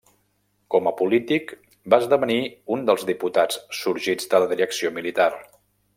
Com a polític, va esdevenir un dels diputats sorgits de la direcció militar.